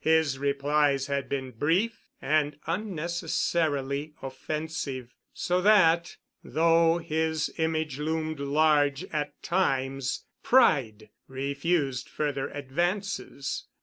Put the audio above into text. His replies had been brief and unnecessarily offensive—so that, though his image loomed large at times, pride refused further advances.